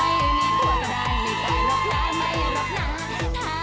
ไม่มีผัวก็ได้ไม่ใจหรอกลาไม่อยากรอบหนัง